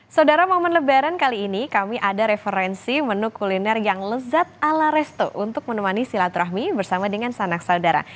saudara momen lebaran kali ini kami ada referensi menu kuliner yang lezat ala resto untuk menemani silaturahmi bersama dengan sanak saudara